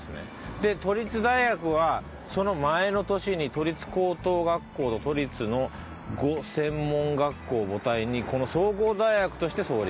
で都立大学はその前の年に「都立高等学校と都立の５専門学校を母体に総合大学として創立」。